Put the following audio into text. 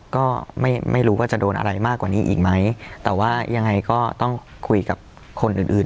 ก็ไม่รู้ว่าจะโดนอะไรมากกว่านี้อีกไหมแต่ว่ายังไงก็ต้องคุยกับคนอื่นอื่น